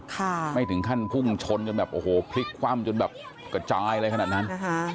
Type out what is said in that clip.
ไม่ถึงขั้นพุ่งชนจนแบบโอ้โหพลิกคว่ำจนแบบกระจายอะไรขนาดนั้นนะคะ